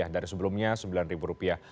dari sebelumnya rp sembilan